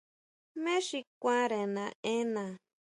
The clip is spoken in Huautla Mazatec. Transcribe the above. ¿Jmé xi kuanre naʼena?